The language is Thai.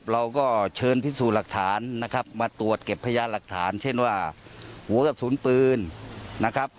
เราก็เชิญพิสูจน์หลักฐานนะครับมาตรวจเก็บพยานหลักฐานเช่นว่าหัวกระสุนปืนนะครับ